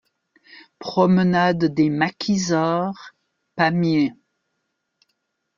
Promenade des Maquisards, Pamiers